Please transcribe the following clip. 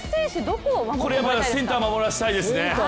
これはセンター守らせたいですね。